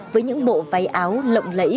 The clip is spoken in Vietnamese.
với những bộ váy áo lộng lẫy